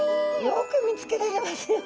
よく見つけられますよ